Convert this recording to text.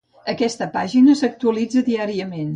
Aquesta pàgina s’actualitza diàriament.